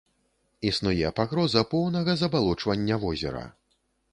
Існуе пагроза поўнага забалочвання возера.